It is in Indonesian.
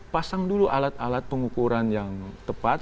pasang dulu alat alat pengukuran yang tepat